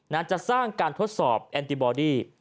จะสร้างการทดสอบแอนติบอดี้